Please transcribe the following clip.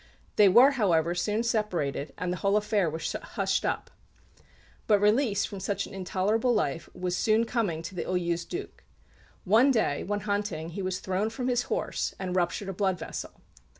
They were, however, soon separated, and the whole affair was hushed up." But release from such an intolerable life was soon coming to the ill used Duc. One day, when hunting, he was thrown from his horse, and ruptured a blood vessel.